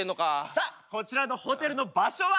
さあこちらのホテルの場所は。